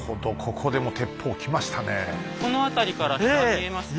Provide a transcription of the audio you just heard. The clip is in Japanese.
この辺りから下見えますよね。